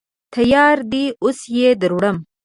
_تيار دی، اوس يې دروړم.